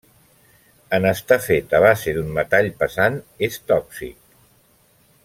En estar fet a base d'un metall pesant, és tòxic.